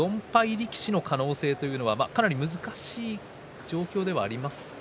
力士の可能性というのはかなり難しい状況ではありますか。